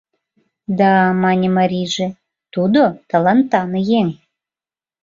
— Да, — мане марийже, — тудо талантан еҥ.